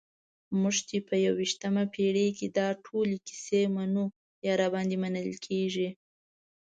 موږ چې په یویشتمه پېړۍ کې دا ټولې کیسې منو یا راباندې منل کېږي.